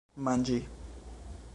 manĝi